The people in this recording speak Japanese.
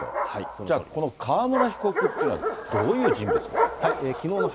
じゃあ、この川村被告というのはどういう人物なのか。